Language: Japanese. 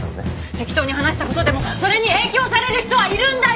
適当に話した事でもそれに影響される人はいるんだよ！